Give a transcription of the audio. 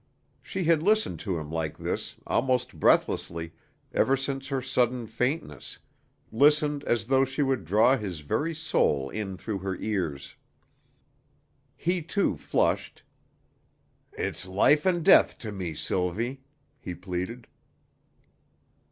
She had listened to him like this, almost breathlessly, ever since her sudden faintness, listened as though she would draw his very soul in through her ears. He too flushed. "It's life and death to me, Sylvie," he pleaded.